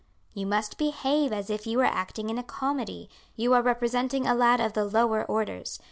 "You must behave as if you were acting in a comedy. You are representing a lad of the lower orders.